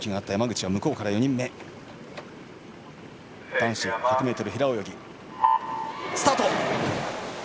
男子１００ｍ平泳ぎ。